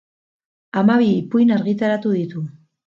Hamabi ipuin argitaratu ditu.